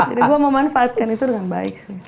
jadi gue mau manfaatkan itu dengan baik sih